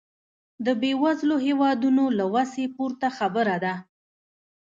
د بېوزلو هېوادونو له وسې پورته خبره ده.